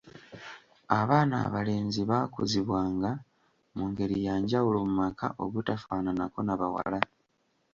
Abaana abalenzi baakuzibwanga mu ngeri ya njawulo mu maka obutafaananako na bawala.